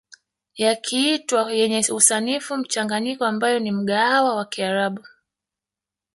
Yakiitwa yenye usanifu mchanganyiko ambayo ni mgahawa wa kiarabu